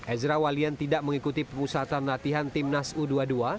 ezra walian tidak mengikuti pemusatan latihan timnas u dua puluh dua